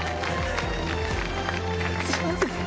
すいません！